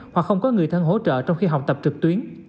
hoặc không có người thân hỗ trợ trong khi học tập trực tuyến